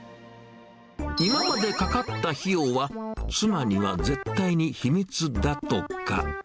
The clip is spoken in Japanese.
今までかかった費用は、妻には絶対に秘密だとか。